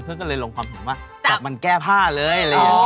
เพื่อก็เลยลงความหิมว่าจับมันแก้ผ้าเลย